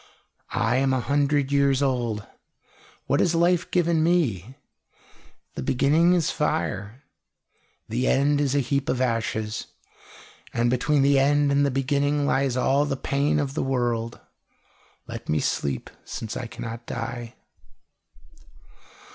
I am a hundred years old. What has life given me? The beginning is fire; the end is a heap of ashes; and between the end and the beginning lies all the pain of the world. Let me sleep, since I cannot die."